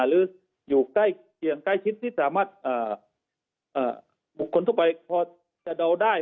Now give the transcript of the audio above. หรืออยู่ใกล้เคียงใกล้ชิดที่สามารถบุคคลทั่วไปพอจะเดาได้